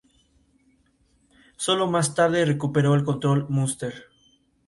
Sólo más tarde recuperó el control de Munster.